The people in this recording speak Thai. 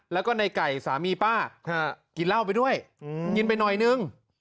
แล้วก็ในไก่สามีป้ากินเหล้าไปด้วยกินไปหน่อยนึง